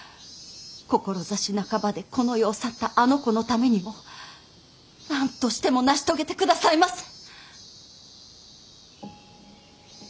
志半ばでこの世を去ったあの子のためにも何としても成し遂げてくださいませ。